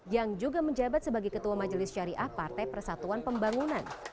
yang juga menjabat sebagai ketua majelis syariah partai persatuan pembangunan